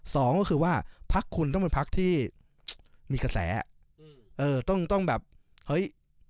สองก็คือว่าพักคุณต้องเป็นพักที่มีกระแสอืมเออต้องต้องแบบเฮ้ย